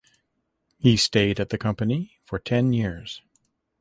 He stayed at the company for ten years.